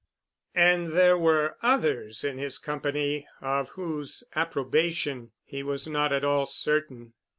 And there were others in his company of whose approbation he was not at all certain.